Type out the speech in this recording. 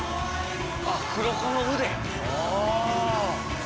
黒子の腕⁉